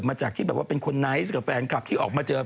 อย่างนี้อย่างนี้อย่างนี้อย่างนี้อย่างนี้